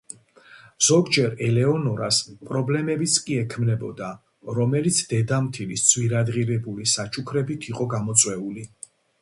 ზოგჯერ ელეონორას პრობლემებიც კი ექმნებოდა, რომელიც დედამთილის ძვირადღირებული საჩუქრებით იყო გამოწვეული.